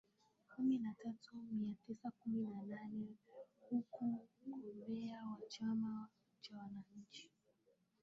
kumi na tatu mia tisa kumi na nane huku mgombea wa Chama cha wananchi